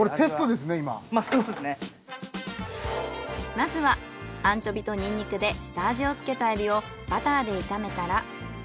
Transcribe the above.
まずはアンチョビとニンニクで下味をつけたエビをバターで炒めたら。